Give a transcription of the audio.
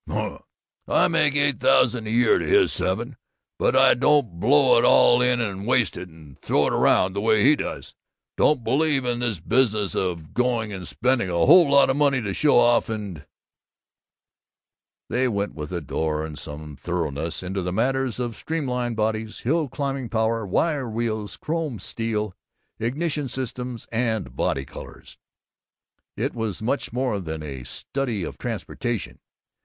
"Humph! I make eight thousand a year to his seven! But I don't blow it all in and waste it and throw it around, the way he does! Don't believe in this business of going and spending a whole lot of money to show off and " They went, with ardor and some thoroughness, into the matters of streamline bodies, hill climbing power, wire wheels, chrome steel, ignition systems, and body colors. It was much more than a study of transportation.